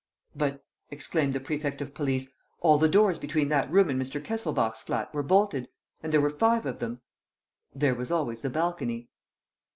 "But," exclaimed the prefect of police, "all the doors between that room and Mr. Kesselbach's flat were bolted; and there were five of them!" "There was always the balcony."